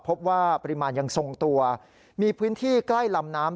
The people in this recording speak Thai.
พบว่าปริมาณยังทรงตัวมีพื้นที่ใกล้ลำน้ำ